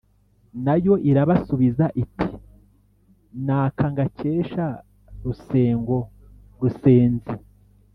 na yo irabasubiza iti: “n’aka ngakesha rusengo rusenzi